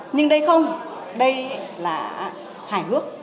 nhưng đây không đây là hài hước